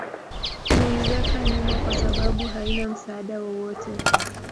huiweka nyuma kwasababu haina msaada wowote